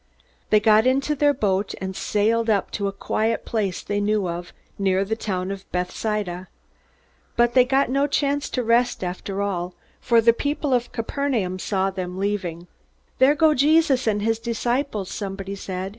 They got into their boat, and sailed up to a quiet place they knew of, near the town of Bethsaida. But they got no chance to rest after all, for the people at Capernaum saw them leaving. "There go Jesus and his disciples!" somebody said.